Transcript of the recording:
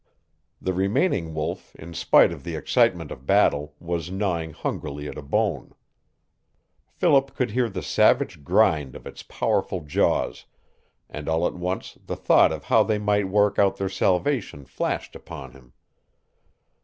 The remaining wolf in spite of the excitement of battle was gnawing hungrily at a bone. Philip could hear the savage grind of its powerful jaws, and all at once the thought of how they might work out their salvation flashed upon him.